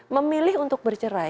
memilih untuk bercerai